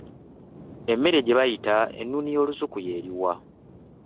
Emmere gye bayita ennuuni y’olusuku y'eruwa?